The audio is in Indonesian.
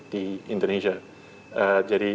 di indonesia jadi